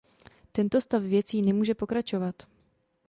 Tento stav věcí nemůže pokračovat.